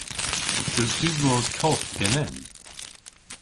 Eus diwros koth genen?